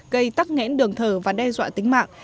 gây tắc nghẽn đường thở và đe dọa tính mạng